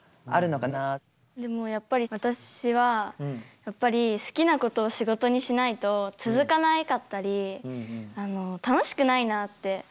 でもやっぱり私はやっぱり好きなことを仕事にしないと続かなかったり楽しくないなって思ってて。